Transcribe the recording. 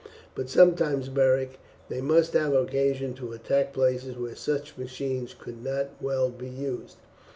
But sometimes, Beric, they must have occasion to attack places where such machines could not well be used."